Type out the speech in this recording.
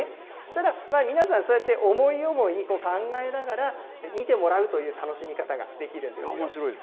ただ、皆さんそうやって思い思いに考えながら見てもらうという楽しみ方ができるんです。